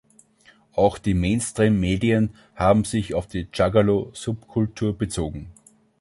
Auch die Mainstream-Medien haben sich auf die Juggalo-Subkultur bezogen.